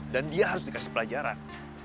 dan dia harus dikasih pelajaran